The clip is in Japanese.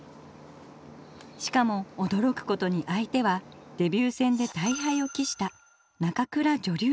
しかもおどろくことに相手はデビュー戦で大敗をきした中倉女流二段です。